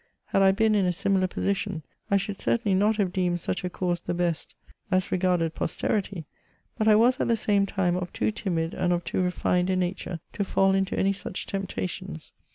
Had I been in a similar position, I should certainly not have deemed such a course the best as regarded CHATEAUBRIAND. 167 posterity ; but I was, at the same time, of too timid and of too refined a nature to fall into any such temptations.